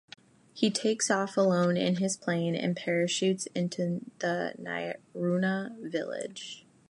He takes off alone in his plane and parachutes into the Niaruna village.